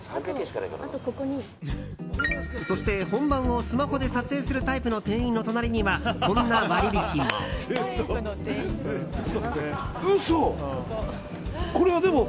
そして、本番をスマホで撮影するタイプの店員の隣にはこんな割引も。